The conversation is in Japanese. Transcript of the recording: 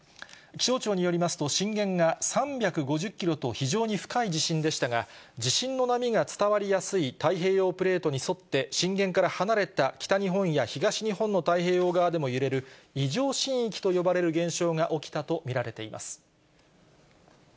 気象庁によりますと、震源が３５０キロと非常に深い地震でしたが、地震の波が伝わりやすい太平洋プレートに沿って、震源から離れた北日本や東日本の太平洋側でも揺れる、異常震域と呼ばれる現象が起きたと見られています。